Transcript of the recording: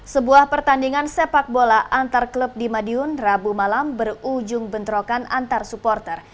sebuah pertandingan sepak bola antar klub di madiun rabu malam berujung bentrokan antar supporter